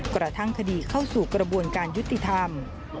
กระทั่งคดีเข้าสู่กระบวนการยุติธรรม